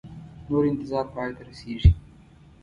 نور انتظار پای ته رسیږي